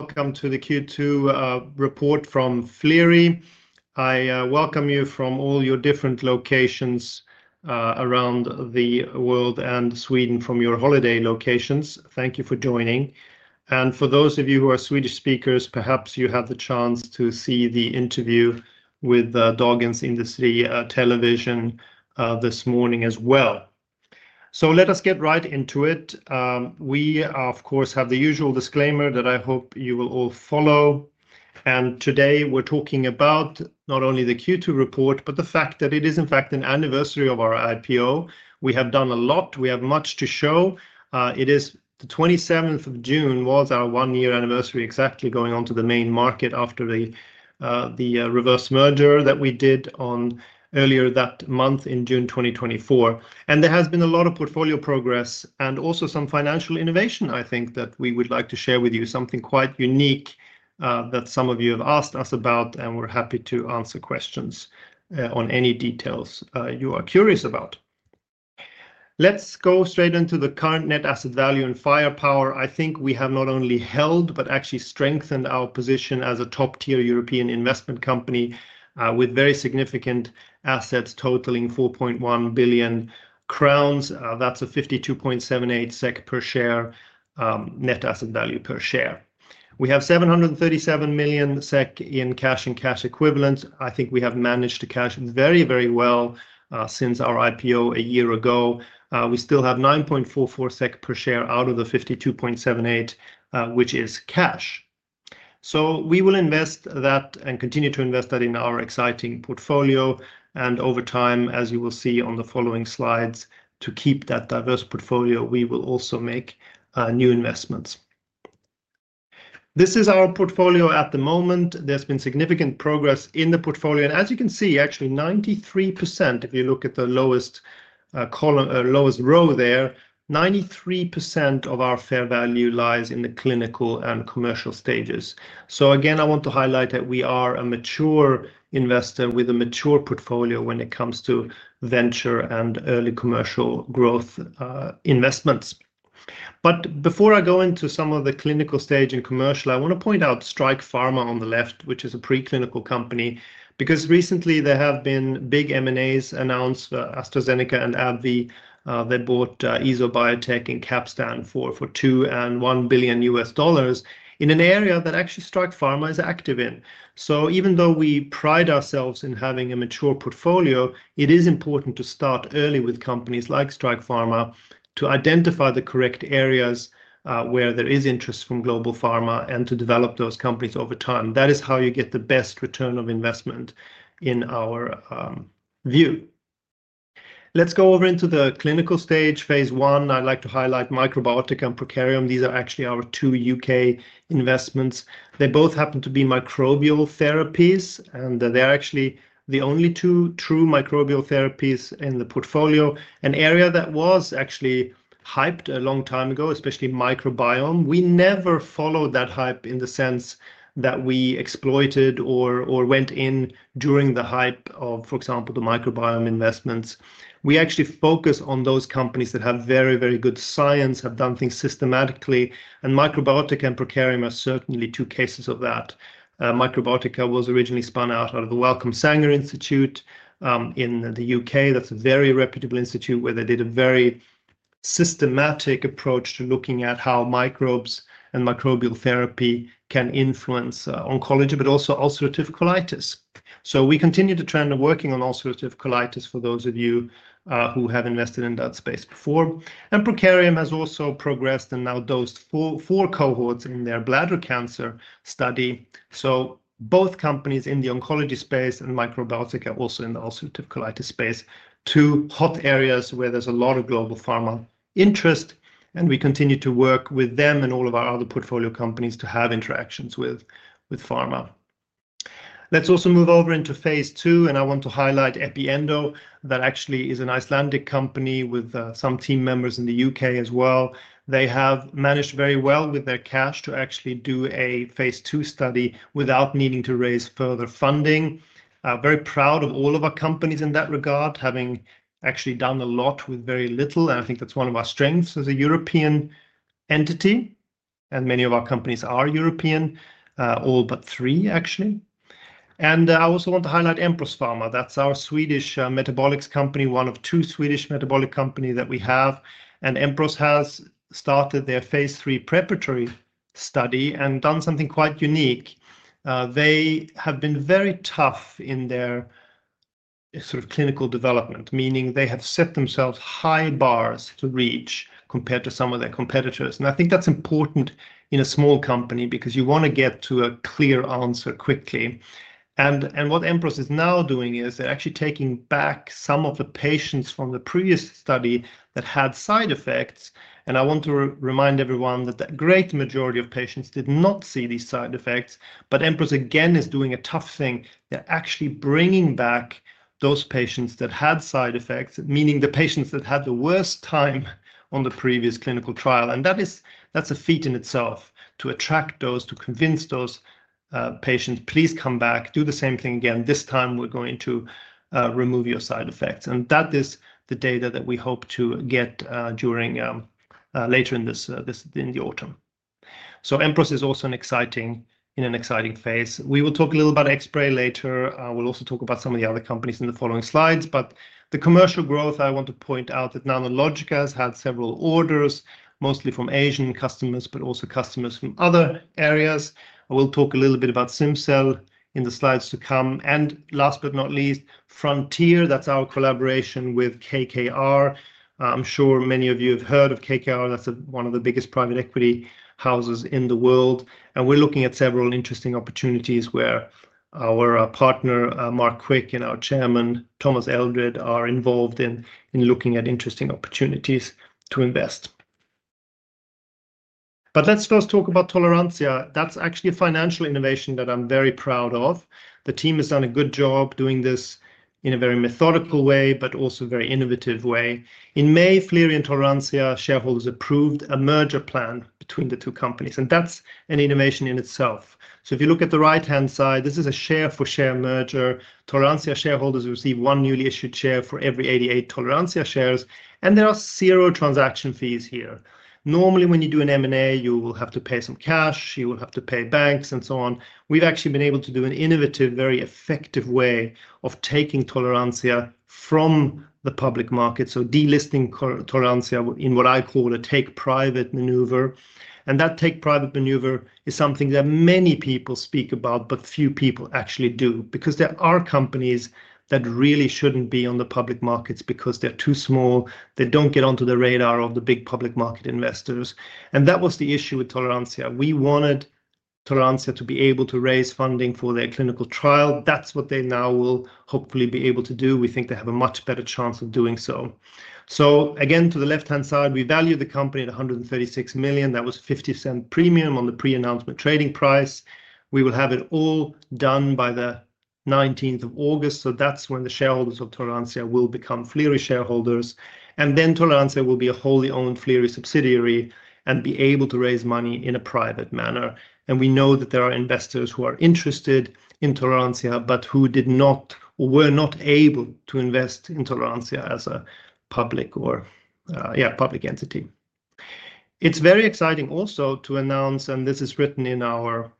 Welcome to the Q2 report from Flerie. I welcome you from all your different locations around the world and Sweden from your holiday locations. Thank you for joining. For those of you who are Swedish speakers, perhaps you had the chance to see the interview with Dagens Industri Television this morning as well. Let us get right into it. We, of course, have the usual disclaimer that I hope you will all follow. Today we're talking about not only the Q2 report, but the fact that it is in fact an anniversary of our IPO. We have done a lot. We have much to show. The 27th of June was our one-year anniversary exactly going on to the main market after the reverse merger that we did earlier that month in June 2024. There has been a lot of portfolio progress and also some financial innovation, I think, that we would like to share with you, something quite unique that some of you have asked us about. We're happy to answer questions on any details you are curious about. Let's go straight into the current net asset value and firepower. I think we have not only held, but actually strengthened our position as a top-tier European investment company with very significant assets totaling 4.1 billion crowns. That's a 52.78 SEK per share net asset value per share. We have 737 million SEK in cash and cash equivalents. I think we have managed to cash very, very well since our IPO a year ago. We still have 9.44 SEK per share out of the 52.78, which is cash. We will invest that and continue to invest that in our exciting portfolio. Over time, as you will see on the following slides, to keep that diverse portfolio, we will also make new investments. This is our portfolio at the moment. There's been significant progress in the portfolio. As you can see, actually 93%, if you look at the lowest row there, 93% of our fair value lies in the clinical and commercial stages. Again, I want to highlight that we are a mature investor with a mature portfolio when it comes to venture and early commercial growth investments. Before I go into some of the clinical stage and commercial, I want to point out Strike Pharma on the left, which is a preclinical company, because recently there have been big M&As announced for AstraZeneca and AbbVie. They bought EsoBiotec in Capstan for $2.1 billion in an area that actually Strike Pharma is active in. Even though we pride ourselves in having a mature portfolio, it is important to start early with companies like Strike Pharma to identify the correct areas where there is interest from global pharma and to develop those companies over time. That is how you get the best return of investment in our view. Let's go over into the clinical-stage phase one. I'd like to highlight Microbiotica and Prokarium. These are actually our two U.K. investments. They both happen to be microbial therapies, and they're actually the only two true microbial therapies in the portfolio, an area that was actually hyped a long time ago, especially microbiome. We never followed that hype in the sense that we exploited or went in during the hype of, for example, the microbiome investments. We actually focus on those companies that have very, very good science, have done things systematically. Microbiotica and Prokarium are certainly two cases of that. Microbiotica was originally spun out of the Wellcome Sanger Institute in the U.K. That's a very reputable institute where they did a very systematic approach to looking at how microbes and microbial therapy can influence oncology, but also ulcerative colitis. We continue the trend of working on ulcerative colitis for those of you who have invested in that space before. Prokarium has also progressed and now dosed four cohorts in their bladder cancer study. Both companies are in the oncology space and Microbiotica is also in the ulcerative colitis space, two hot areas where there's a lot of global pharma interest. We continue to work with them and all of our other portfolio companies to have interactions with pharma. Let's also move over into phase II. I want to highlight EpiEndo. That actually is an Icelandic company with some team members in the U.K. as well. They have managed very well with their cash to actually do a phase II study without needing to raise further funding. I'm very proud of all of our companies in that regard, having actually done a lot with very little. I think that's one of our strengths as a European entity. Many of our companies are European, all but three actually. I also want to highlight Empros Pharma. That's our Swedish metabolic company, one of two Swedish metabolic companies that we have. Empros has started their phase III preparatory study and done something quite unique. They have been very tough in their sort of clinical development, meaning they have set themselves high bars to reach compared to some of their competitors. I think that's important in a small company because you want to get to a clear answer quickly. What Empros is now doing is they're actually taking back some of the patients from the previous study that had side effects. I want to remind everyone that the great majority of patients did not see these side effects. Empros again is doing a tough thing. They're actually bringing back those patients that had side effects, meaning the patients that had the worst time on the previous clinical trial. That's a feat in itself to attract those, to convince those patients, please come back, do the same thing again. This time we're going to remove your side effects. That is the data that we hope to get later in the autumn. Empros is also in an exciting phase. We will talk a little about Xspray later. We'll also talk about some of the other companies in the following slides. The commercial growth, I want to point out that Nanologica has had several orders, mostly from Asian customers, but also customers from other areas. I will talk a little bit about Symcel in the slides to come. Last but not least, Frontier, that's our collaboration with KKR. I'm sure many of you have heard of KKR. That's one of the biggest private equity houses in the world. We're looking at several interesting opportunities where our partner, Mark Quick, and our Chairman, Thomas Eldred, are involved in looking at interesting opportunities to invest. Let's first talk about Toleranzia. That's actually a financial innovation that I'm very proud of. The team has done a good job doing this in a very methodical way, but also a very innovative way. In May, Flerie and Toleranzia shareholders approved a merger plan between the two companies. That's an innovation in itself. If you look at the right-hand side, this is a share-for-share merger. Toleranzia shareholders receive one newly issued share for every 88 Toleranzia shares. There are zero transaction fees here. Normally, when you do an M&A, you will have to pay some cash. You will have to pay banks and so on. We've actually been able to do an innovative, very effective way of taking Toleranzia from the public market, delisting Toleranzia in what I call a take-private maneuver. That take-private maneuver is something that many people speak about, but few people actually do because there are companies that really shouldn't be on the public markets because they're too small. They don't get onto the radar of the big public market investors. That was the issue with Toleranzia. We wanted Toleranzia to be able to raise funding for their clinical trial. That's what they now will hopefully be able to do. We think they have a much better chance of doing so. To the left-hand side, we value the company at $136 million. That was a 50% premium on the pre-announcement trading price. We will have it all done by the 19th of August. That's when the shareholders of Toleranzia will become Flerie shareholders. Toleranzia will be a wholly owned Flerie subsidiary and be able to raise money in a private manner. We know that there are investors who are interested in Toleranzia, but who were not able to invest in Toleranzia as a public entity. It's very exciting also to announce, and this is written in our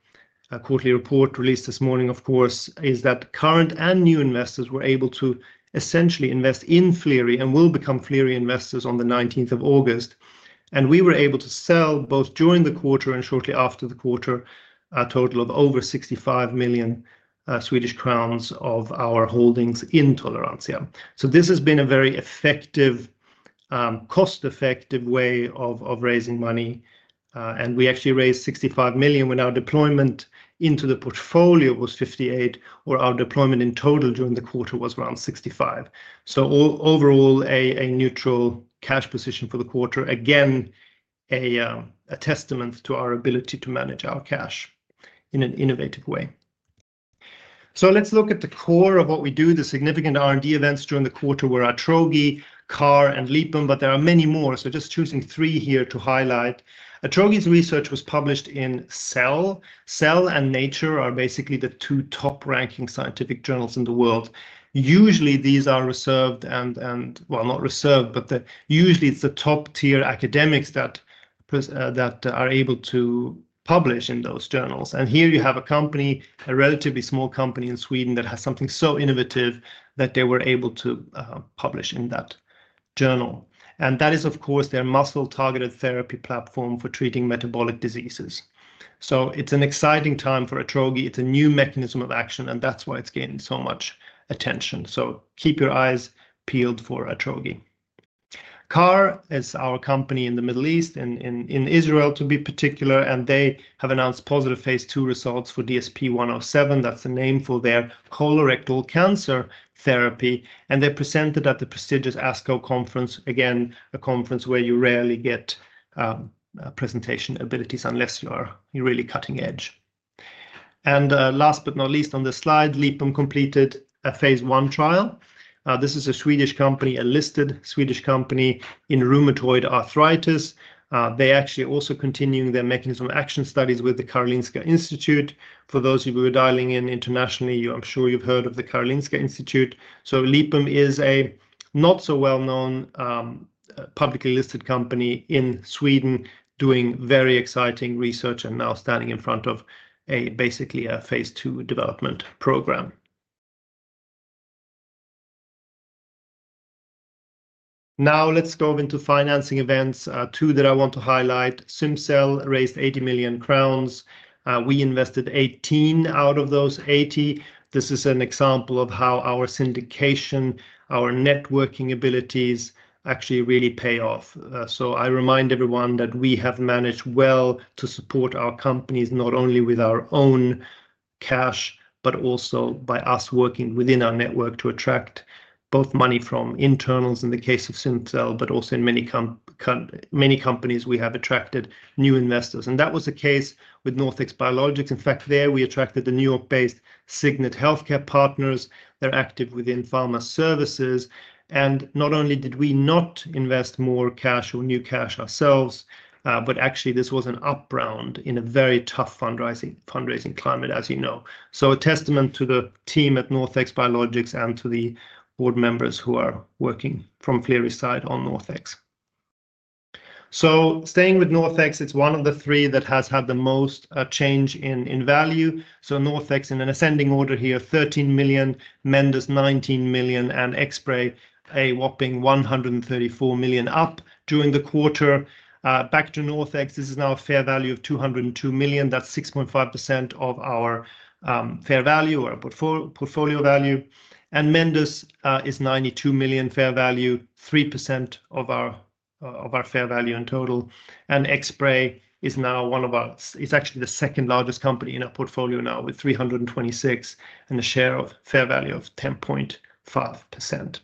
quarterly report released this morning, of course, that current and new investors were able to essentially invest in Flerie and will become Flerie investors on the 19th of August. We were able to sell both during the quarter and shortly after the quarter, a total of over 65 million Swedish crowns of our holdings in Toleranzia. This has been a very effective, cost-effective way of raising money. We actually raised 65 million when our deployment into the portfolio was 58 million, where our deployment in total during the quarter was around 65 million. Overall, a neutral cash position for the quarter. Again, a testament to our ability to manage our cash in an innovative way. Let's look at the core of what we do. The significant R&D events during the quarter were Atrogi, KAHR, and Lipum. There are many more, just choosing three here to highlight. Atrogi's research was published in Cell. Cell and Nature are basically the two top-ranking scientific journals in the world. Usually, these are not reserved, but usually it's the top-tier academics that are able to publish in those journals. Here you have a company, a relatively small company in Sweden, that has something so innovative that they were able to publish in that journal. That is, of course, their muscle-targeted therapy platform for treating metabolic diseases. It's an exciting time for Atrogi. It's a new mechanism of action. That's why it's gained so much attention. Keep your eyes peeled for Atrogi. KAHR is our company in the Middle East and in Israel, to be particular. They have announced positive phase II results for DSP107. That's a name for their colorectal cancer therapy. They're presented at the prestigious ASCO conference, a conference where you rarely get presentation abilities unless you are really cutting edge. Last but not least on this slide, Lipum completed a phase I trial. This is a Swedish company, a listed Swedish company in rheumatoid arthritis. They actually are also continuing their mechanism of action studies with the Karolinska Institute. For those of you who are dialing in internationally, I'm sure you've heard of the Karolinska Institute. Lipum is a not-so-well-known publicly listed company in Sweden doing very exciting research and now standing in front of basically a phase II development program. Now let's go into financing events. Two that I want to highlight. Symcel raised 80 million crowns. We invested 18 million out of those 80 million. This is an example of how our syndication, our networking abilities actually really pay off. I remind everyone that we have managed well to support our companies not only with our own cash, but also by us working within our network to attract both money from internals in the case of Symcel, but also in many companies we have attracted new investors. That was the case with NorthX Biologics. In fact, there we attracted the New York-based Cigna Healthcare Partners. They're active within pharma services. Not only did we not invest more cash or new cash ourselves, but actually this was an up-round in a very tough fundraising climate, as you know. A testament to the team at NorthX Biologics and to the board members who are working from Flerie's side on NorthX. Staying with NorthX, it's one of the three that has had the most change in value. NorthX in an ascending order here, 13 million, Mendus 19 million, and XSpray a whopping 134 million up during the quarter. Back to NorthX, this is now a fair value of 202 million. That's 6.5% of our fair value or portfolio value. Mendus is 92 million fair value, 3% of our fair value in total. XSpray is now one of our, it's actually the second largest company in our portfolio now with 326 million and a share of fair value of 10.5%.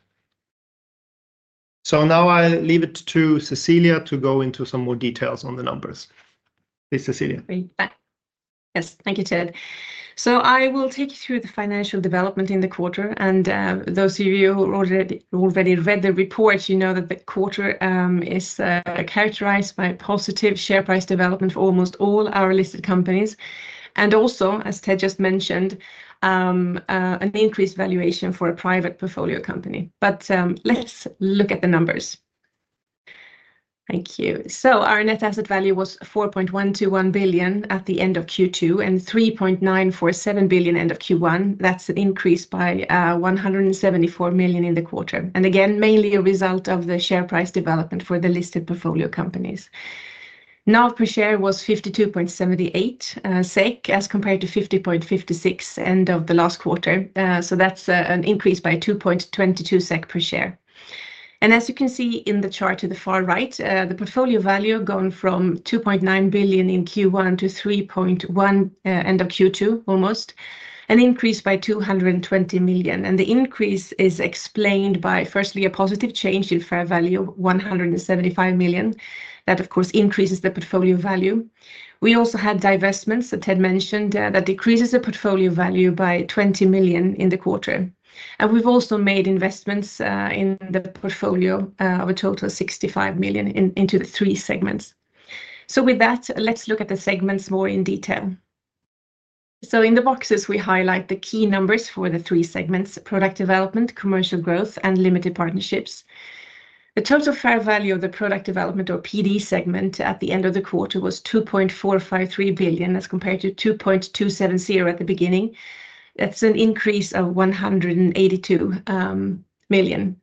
Now I leave it to Cecilia to go into some more details on the numbers. Hey, Cecilia. Thanks. Yes, thank you, Ted. I will take you through the financial development in the quarter. Those of you who already read the report know that the quarter is characterized by positive share price development for almost all our listed companies. Also, as Ted just mentioned, there was an increased valuation for a private portfolio company. Let's look at the numbers. Thank you. Our net asset value was 4.121 billion at the end of Q2 and 3.947 billion at the end of Q1. That's an increase of 174 million in the quarter, mainly a result of the share price development for the listed portfolio companies. NAV per share was 52.78 SEK as compared to 50.56 at the end of the last quarter. That's an increase of 2.22 SEK per share. As you can see in the chart to the far right, the portfolio value went from 2.9 billion in Q1 to almost 3.1 billion at the end of Q2, an increase of 220 million. The increase is explained by, firstly, a positive change in fair value, 175 million. That, of course, increases the portfolio value. We also had divestments, as Ted mentioned, that decreased the portfolio value by 20 million in the quarter. We've also made investments in the portfolio of a total of 65 million into the three segments. With that, let's look at the segments in more detail. In the boxes, we highlight the key numbers for the three segments: product development, commercial growth, and limited partnerships. The total fair value of the product development or PD segment at the end of the quarter was 2.453 billion as compared to 2.270 billion at the beginning. That's an increase of 182 million.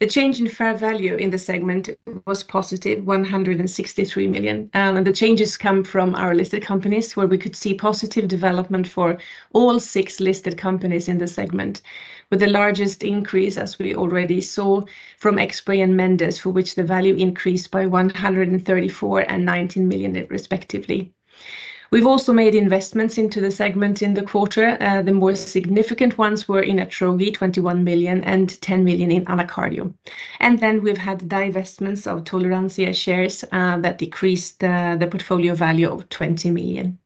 The change in fair value in the segment was positive, 163 million. The changes come from our listed companies where we could see positive development for all six listed companies in the segment, with the largest increase, as we already saw, from XSpray and Mendus, for which the value increased by 134 million and 19 million respectively. We've also made investments into the segment in the quarter. The most significant ones were in Atrogi, 21 million, and 10 million in AnaCardio. Then we've had divestments of Toleranzia shares that decreased the portfolio value by 20 million.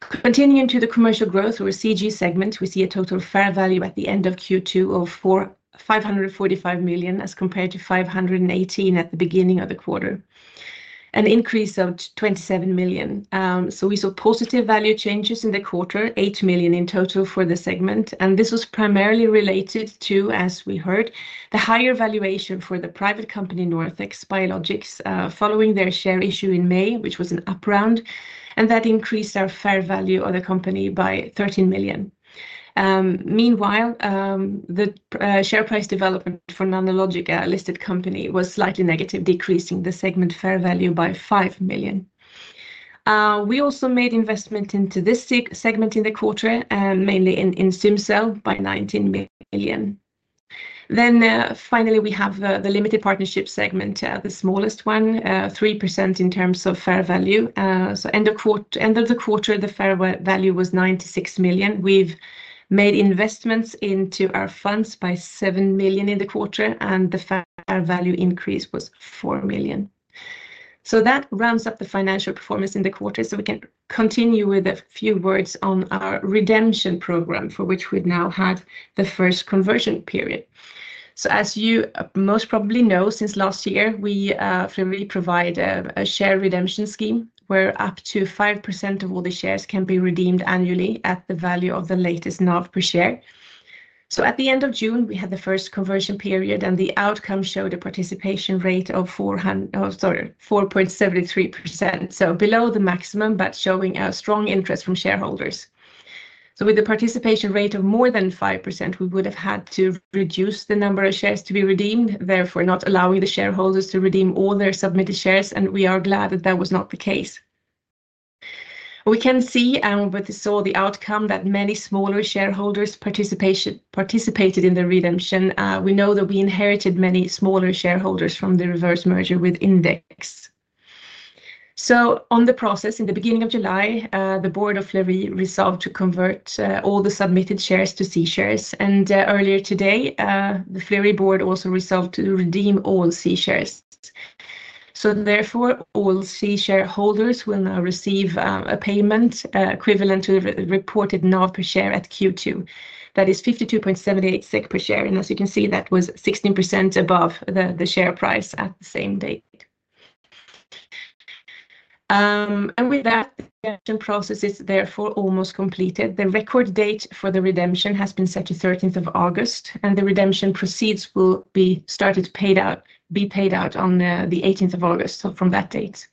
Continuing to the commercial growth or CG segment, we see a total fair value at the end of Q2 of 545 million as compared to 518 million at the beginning of the quarter, an increase of 27 million. We saw positive value changes in the quarter, 8 million in total for the segment. This was primarily related to, as we heard, the higher valuation for the private company NorthX Biologics following their share issue in May, which was an up round. That increased our fair value of the company by $13 million. Meanwhile, the share price development for Nanologica, a listed company, was slightly negative, decreasing the segment fair value by $5 million. We also made investment into this segment in the quarter, mainly in Symcel by $19 million. Finally, we have the limited partnership segment, the smallest one, 3% in terms of fair value. At the end of the quarter, the fair value was $96 million. We've made investments into our funds by $7 million in the quarter, and the fair value increase was $4 million. That ramps up the financial performance in the quarter. We can continue with a few words on our redemption program for which we've now had the first conversion period. As you most probably know, since last year, we provide a share redemption scheme where up to 5% of all the shares can be redeemed annually at the value of the latest NAV per share. At the end of June, we had the first conversion period, and the outcome showed a participation rate of 4.73%. This is below the maximum, but shows a strong interest from shareholders. With a participation rate of more than 5%, we would have had to reduce the number of shares to be redeemed, therefore not allowing the shareholders to redeem all their submitted shares. We are glad that that was not the case. We can see, from the outcome, that many smaller shareholders participated in the redemption. We know that we inherited many smaller shareholders from the reverse merger with Index. On the process, in the beginning of July, the board of Flerie resolved to convert all the submitted shares to C shares. Earlier today, the Flerie board also resolved to redeem all C shares. Therefore, all C shareholders will now receive a payment equivalent to the reported NAV per share at Q2. That is 52.78 SEK per share. As you can see, that was 16% above the share price at the same date. With that, the redemption process is therefore almost completed. The record date for the redemption has been set to 13th of August, and the redemption proceeds will be started to be paid out on the 18th of August from that date.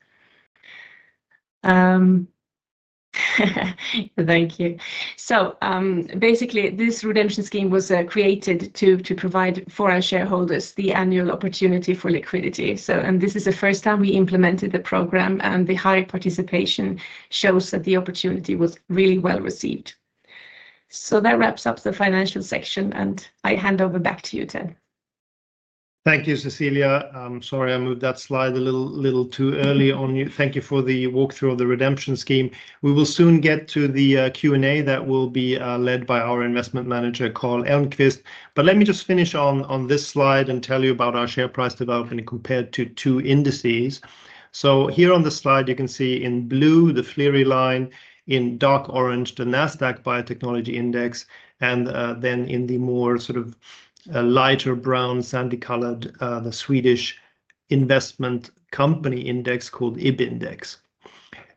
Thank you. This redemption scheme was created to provide for our shareholders the annual opportunity for liquidity. This is the first time we implemented the program, and the high participation shows that the opportunity was really well received. That wraps up the financial section, and I hand over back to you, Ted. Thank you, Cecilia. Sorry, I moved that slide a little too early on you. Thank you for the walkthrough of the redemption scheme. We will soon get to the Q&A that will be led by our Investment Manager, Karl Elmqvist. Let me just finish on this slide and tell you about our share price development compared to two indices. Here on the slide, you can see in blue the Flerie line, in dark orange, the Nasdaq Biotechnology Index, and then in the more sort of lighter brown, sandy colored, the Swedish investment company index called IB Index.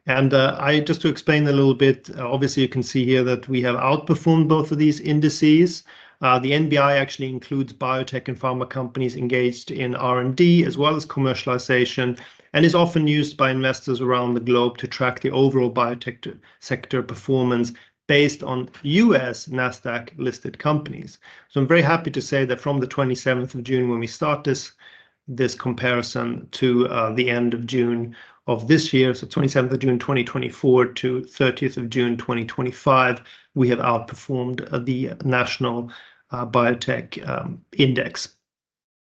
Just to explain a little bit, obviously, you can see here that we have outperformed both of these indices. The NBI actually includes biotech and pharma companies engaged in R&D as well as commercialization and is often used by investors around the globe to track the overall biotech sector performance based on U.S. Nasdaq listed companies. I'm very happy to say that from the 27th of June, when we start this comparison to the end of June of this year, so 27th of June 2024 to 30th of June 2025, we have outperformed the National Biotech Index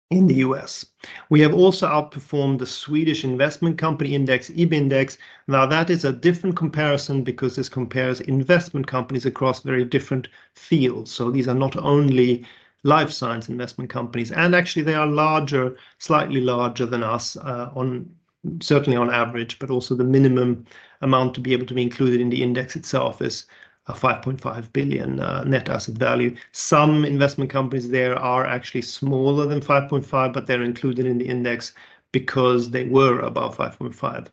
in the U.S. We have also outperformed the Swedish investment company index, IB Index. That is a different comparison because this compares investment companies across very different fields. These are not only life science investment companies, and actually, they are slightly larger than us, certainly on average, but also the minimum amount to be able to be included in the index itself is a $5.5 billion net asset value. Some investment companies there are actually smaller than $5.5 billion, but they're included in the index because they were above $5.5 billion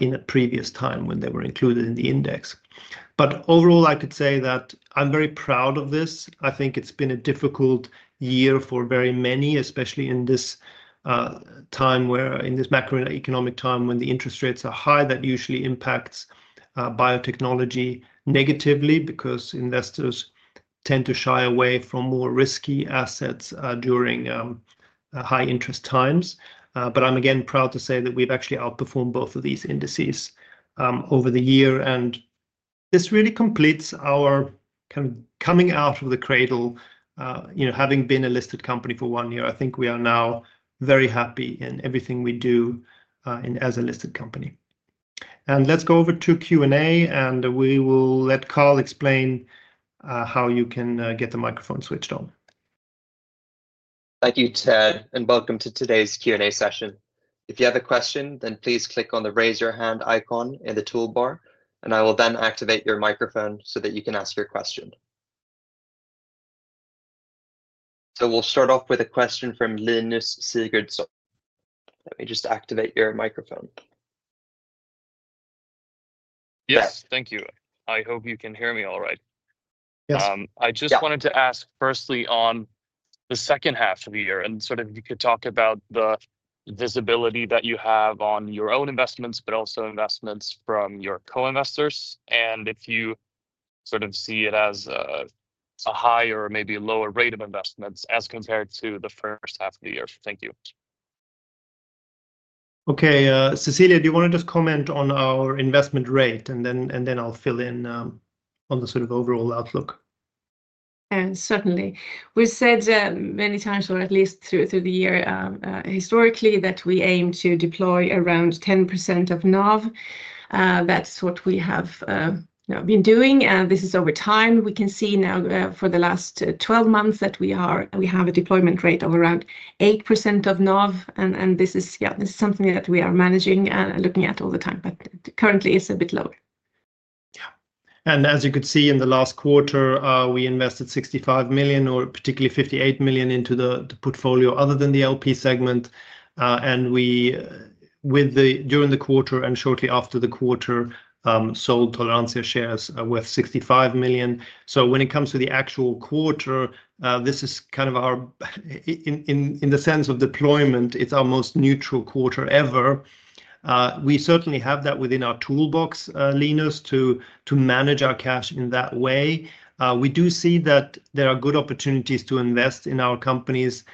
in a previous time when they were included in the index. Overall, I could say that I'm very proud of this. I think it's been a difficult year for very many, especially in this time where, in this macroeconomic time, when the interest rates are high, that usually impacts biotechnology negatively because investors tend to shy away from more risky assets during high interest times. I'm again proud to say that we've actually outperformed both of these indices over the year. This really completes our kind of coming out of the cradle, you know, having been a listed company for one year. I think we are now very happy in everything we do as a listed company. Let's go over to Q&A, and we will let Karl explain how you can get the microphone switched on. Thank you, Ted, and welcome to today's Q&A session. If you have a question, please click on the raise your hand icon in the toolbar, and I will then activate your microphone so that you can ask your question. We'll start off with a question from Linus Sigurdson. Let me just activate your microphone. Yes, thank you. I hope you can hear me all right. Yes. I just wanted to ask firstly on the second half of the year, and if you could talk about the visibility that you have on your own investments, but also investments from your co-investors, and if you see it as a higher or maybe a lower rate of investments as compared to the first half of the year. Thank you. Okay, Cecilia, do you want to just comment on our investment rate? I'll fill in on the sort of overall outlook. Certainly. We said many times, or at least through the year historically, that we aim to deploy around 10% of NAV. That's what we have been doing. This is over time. We can see now for the last 12 months that we have a deployment rate of around 8% of NAV. This is something that we are managing and looking at all the time. Currently, it's a bit lower. As you could see in the last quarter, we invested 65 million, or particularly 58 million, into the portfolio other than the LP segment. During the quarter and shortly after the quarter, we sold Toleranzia shares worth 65 million. When it comes to the actual quarter, in the sense of deployment, it's our most neutral quarter ever. We certainly have that within our toolbox, Linus, to manage our cash in that way. We do see that there are good opportunities to invest in our companies.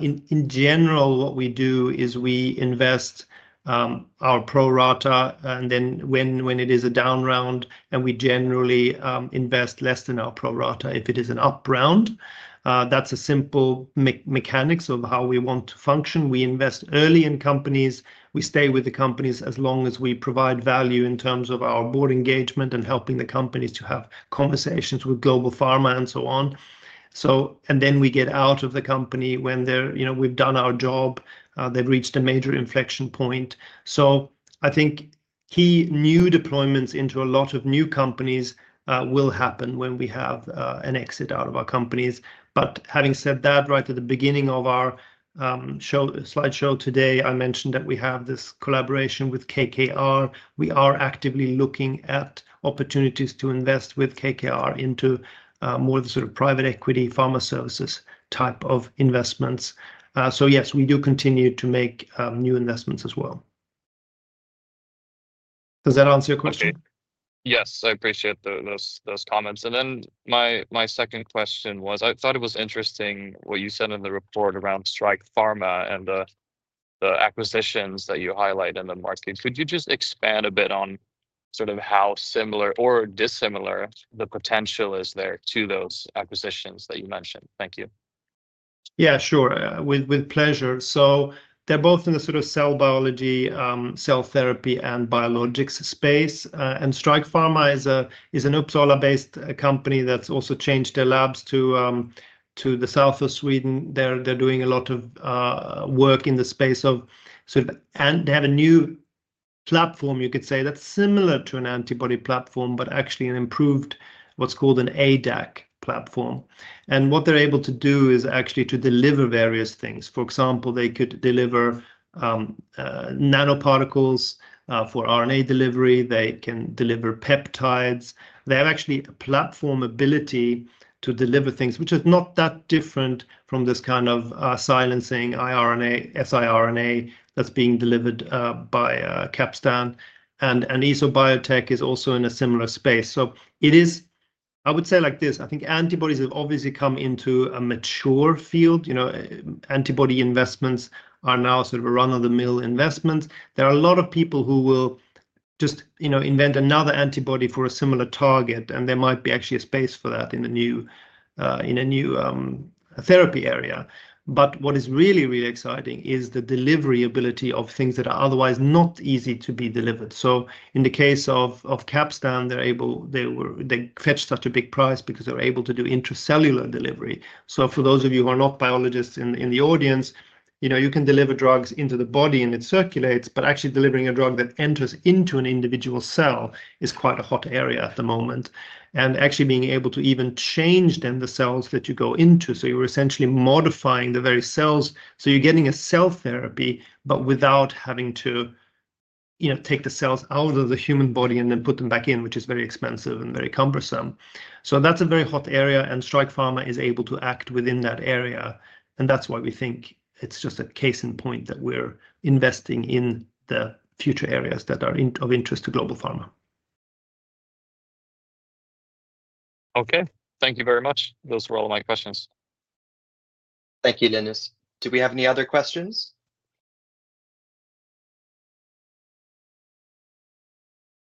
In general, what we do is we invest our pro rata, and when it is a down round, we generally invest less than our pro rata. If it is an up round, that's a simple mechanics of how we want to function. We invest early in companies. We stay with the companies as long as we provide value in terms of our board engagement and helping the companies to have conversations with global pharma and so on. We get out of the company when we've done our job, they've reached a major inflection point. I think key new deployments into a lot of new companies will happen when we have an exit out of our companies. Having said that, right at the beginning of our slideshow today, I mentioned that we have this collaboration with KKR. We are actively looking at opportunities to invest with KKR into more of the sort of private equity pharma services type of investments. Yes, we do continue to make new investments as well. Does that answer your question? Yes, I appreciate those comments. My second question was, I thought it was interesting what you said in the report around Strike Pharma and the acquisitions that you highlight in the market. Could you just expand a bit on sort of how similar or dissimilar the potential is there to those acquisitions that you mentioned? Thank you. Yeah, sure, with pleasure. They're both in the sort of cell biology, cell therapy, and biologics space. Strike Pharma is an Uppsala-based company that's also changed their labs to the south of Sweden. They're doing a lot of work in the space of sort of, and they have a new platform, you could say, that's similar to an antibody platform, but actually an improved, what's called an ADAC platform. What they're able to do is actually to deliver various things. For example, they could deliver nanoparticles for RNA delivery. They can deliver peptides. They have actually a platform ability to deliver things, which is not that different from this kind of silencing siRNA that's being delivered by Capstan. EsoBiotech is also in a similar space. I would say like this, I think antibodies have obviously come into a mature field. You know, antibody investments are now sort of run-of-the-mill investments. There are a lot of people who will just invent another antibody for a similar target, and there might be actually a space for that in a new therapy area. What is really, really exciting is the delivery ability of things that are otherwise not easy to be delivered. In the case of Capstan, they fetched such a big price because they're able to do intracellular delivery. For those of you who are not biologists in the audience, you know, you can deliver drugs into the body and it circulates, but actually delivering a drug that enters into an individual cell is quite a hot area at the moment. Actually being able to even change then the cells that you go into, so you're essentially modifying the very cells. You're getting a cell therapy, but without having to take the cells out of the human body and then put them back in, which is very expensive and very cumbersome. That's a very hot area, and Strike Pharma is able to act within that area. That's why we think it's just a case in point that we're investing in the future areas that are of interest to global pharma. Okay, thank you very much. Those were all of my questions. Thank you, Linus. Do we have any other questions?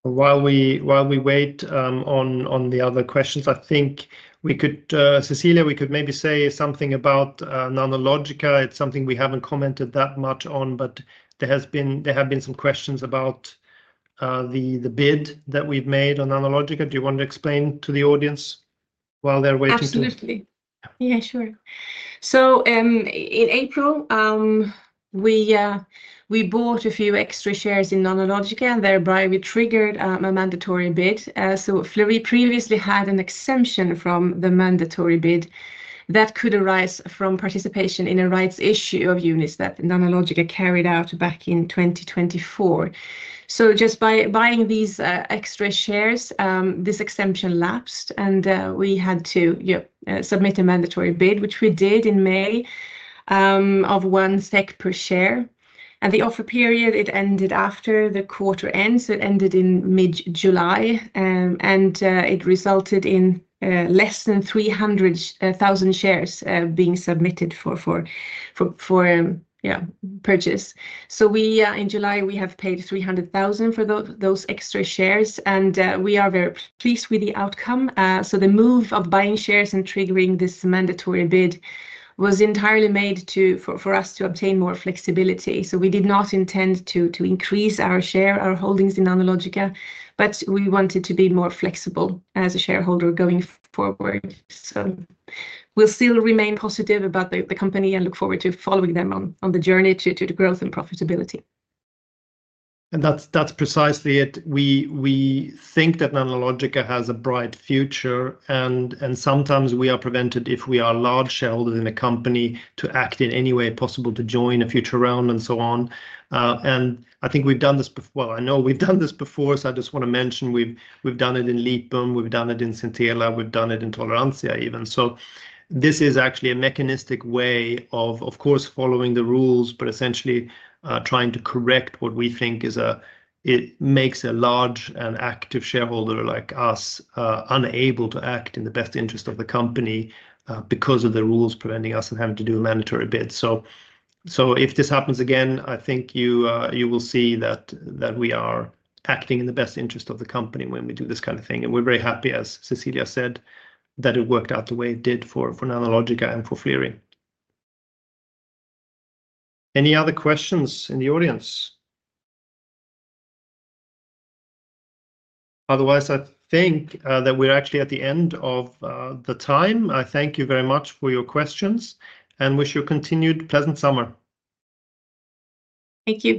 While we wait on the other questions, I think we could, Cecilia, maybe say something about Nanologica. It's something we haven't commented that much on, but there have been some questions about the bid that we've made on Nanologica. Do you want to explain to the audience while they're waiting? Absolutely. Yeah, sure. In April, we bought a few extra shares in Nanologica, and thereby we triggered a mandatory bid. Flerie previously had an exemption from the mandatory bid that could arise from participation in a rights issue of units that Nanologica carried out back in 2024. Just by buying these extra shares, this exemption lapsed, and we had to submit a mandatory bid, which we did in May, of 1 SEK per share. The offer period ended after the quarter ends. It ended in mid-July, and it resulted in less than 300,000 shares being submitted for purchase. In July, we have paid 300,000 for those extra shares, and we are very pleased with the outcome. The move of buying shares and triggering this mandatory bid was entirely made for us to obtain more flexibility. We did not intend to increase our holdings in Nanologica, but we wanted to be more flexible as a shareholder going forward. We will still remain positive about the company and look forward to following them on the journey to growth and profitability. That's precisely it. We think that Nanologica has a bright future, and sometimes we are prevented, if we are large shareholders in a company, to act in any way possible to join a future round and so on. I think we've done this before. I know we've done this before, so I just want to mention we've done it in Lipum. We've done it in Centella. We've done it in Toleranzia even. This is actually a mechanistic way of, of course, following the rules, but essentially trying to correct what we think makes a large and active shareholder like us unable to act in the best interest of the company because of the rules preventing us from having to do a mandatory bid. If this happens again, I think you will see that we are acting in the best interest of the company when we do this kind of thing. We're very happy, as Cecilia said, that it worked out the way it did for Nanologica and for Flerie. Any other questions in the audience? Otherwise, I think that we're actually at the end of the time. I thank you very much for your questions and wish you a continued pleasant summer. Thank you.